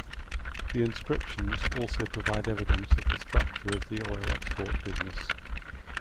The inscriptions also provide evidence of the structure of the oil export business.